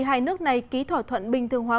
hai nước này ký thỏa thuận bình thường hóa